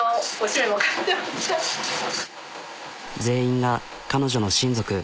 全員が彼女の親族。